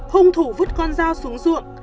hung thủ vứt con dao xuống ruộng